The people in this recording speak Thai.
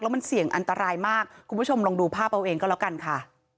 มันเสี่ยงอันตรายมากคุณผู้ชมลองดูภาพเอาเองก็แล้วกันค่ะ